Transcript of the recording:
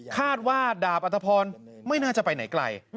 คาดว่าดาบอัตภพรไม่น่าจะไปไหนไกล